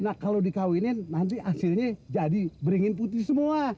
nah kalau dikawinin nanti hasilnya jadi beringin putih semua